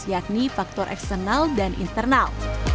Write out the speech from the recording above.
yakni faktor eksternal dan internal